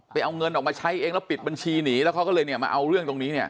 เอาเงินออกมาใช้เองแล้วปิดบัญชีหนีแล้วเขาก็เลยเนี่ยมาเอาเรื่องตรงนี้เนี่ย